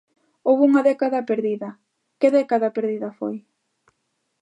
Houbo unha década perdida, ¿que década perdida foi?